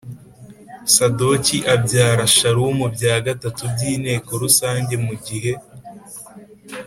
Sadoki abyara Shalumu bya gatatu by Inteko Rusange mu gihe